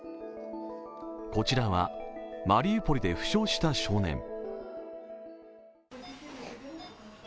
こちらはマリウポリで負傷した少年。